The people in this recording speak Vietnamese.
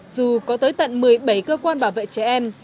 dù có tới tận một mươi bảy cơ quan bảo vệ trẻ em